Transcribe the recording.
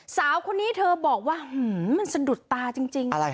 สาวคนนี้เธอบอกว่ามันสะดุดตาจริง